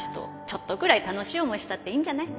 ちょっとくらい楽しい思いしたっていいんじゃない？